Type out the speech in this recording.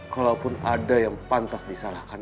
kalaupun ada yang pantas disalahkan